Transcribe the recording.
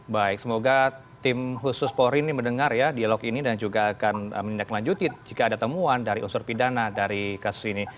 baik semoga tim khusus polri ini mendengar ya dialog ini dan juga akan menindaklanjuti jika ada temuan dari unsur pidana dari kasus ini